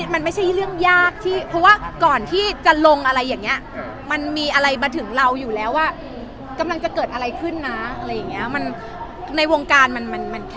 มันไม่ใช่เรื่องยากที่เพราะว่าก่อนที่จะลงอะไรอย่างเงี้ยมันมีอะไรมาถึงเราอยู่แล้วว่ากำลังจะเกิดอะไรขึ้นนะอะไรอย่างนี้